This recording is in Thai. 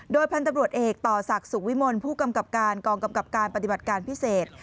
โดยพันธุ์ตำรวจเอกต่อศักดิ์สุขวิมลผู้กำกับการกองกำกับการปฏิบัติการพิเศษ